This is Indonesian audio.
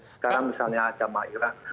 sekarang misalnya jamaah iran